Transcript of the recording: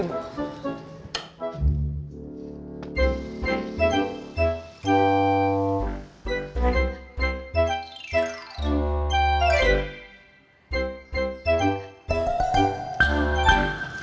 udah bu ibu